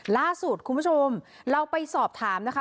ล่าสุดคุณผู้ชมเราไปสอบถามนะคะ